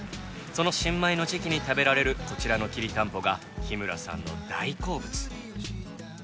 その新米の時期に食べられるこちらのきりたんぽが日村さんの大好物。